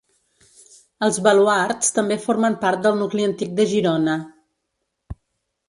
Els Baluards també formen part del nucli antic de Girona.